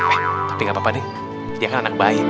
eh tapi gapapa nih dia kan anak baik